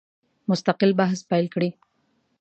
مستقل بحث پیل کړي.